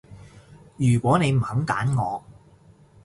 如果你唔肯揀我